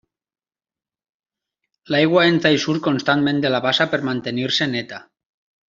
L'aigua entra i surt constantment de la bassa per mantenir-se neta.